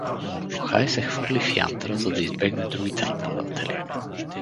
Мордохай се хвърли в Янтра, за да избегне другите нападатели.